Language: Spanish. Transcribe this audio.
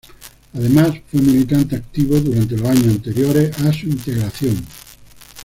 Además, fue militante activo durante los años anteriores a su integración.